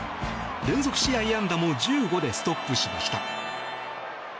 連続試合安打も１５でストップしました。